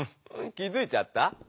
気づいちゃった？